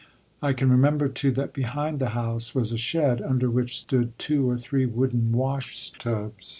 I can remember, too, that behind the house was a shed under which stood two or three wooden wash tubs.